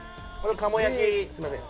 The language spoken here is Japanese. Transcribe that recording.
鴨やきすいません。